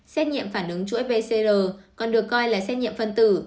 xét nghiệm phản ứng chuỗi pcr còn được coi là xét nghiệm phân tử